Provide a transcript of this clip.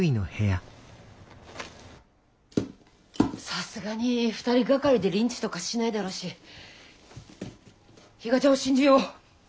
さすがに２人がかりでリンチとかしないだろうし比嘉ちゃんを信じよう。